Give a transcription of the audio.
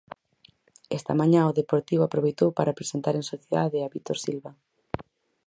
Esta mañá o Deportivo aproveitou para presentar en sociedade a Vítor Silva.